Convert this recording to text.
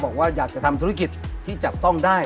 บอกว่าอยากจะทำธุรกิจที่จับต้องได้